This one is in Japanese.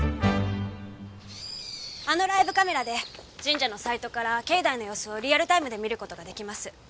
あのライブカメラで神社のサイトから境内の様子をリアルタイムで見る事が出来ます。